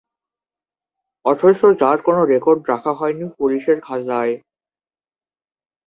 অথচ যার কোনো রেকর্ড রাখা হয়নি পুলিশের খাতায়।